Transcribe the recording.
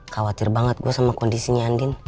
khawatir banget gue sama kondisinya andin